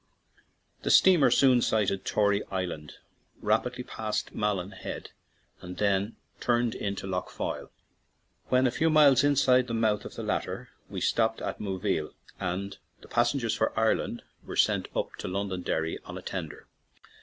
The steamer soon sighted Tory Island, rapidly passed Malin Head, and then turn ed in to Lough Foyle. When a few miles 2 NEW YORK TO LONDONDERRY inside the mouth of the latter, we stopped at Moville and the passengers for Ireland were sent up to Londonderry on a tender.